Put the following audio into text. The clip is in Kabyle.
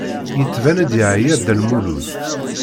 Yettban-d yeɛya Dda Lmulud.